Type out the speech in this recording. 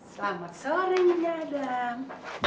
selamat sore nyadam